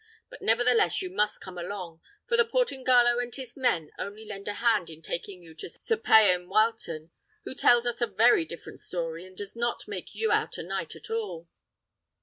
But, nevertheless, you must come along; for the Portingallo and his men only lend a hand in taking you to Sir Payan Wileton, who tells us a very different story, and does not make you out a knight at all."